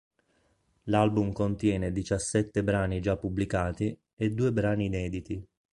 L'album contiene diciassette brani già pubblicati e due brani inediti.